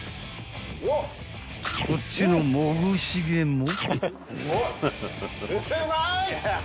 ［こっちのモグしげも］